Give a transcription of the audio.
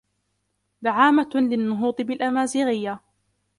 دعامة للنهوض بالأمازيغية